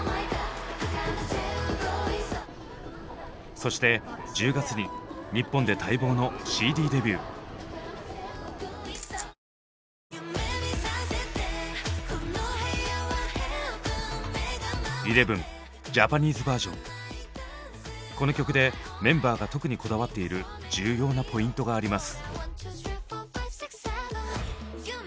そして１０月にこの曲でメンバーが特にこだわっている重要なポイントがあります。